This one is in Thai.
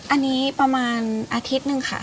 อันนี้ประมาณอาทิตย์หนึ่งค่ะ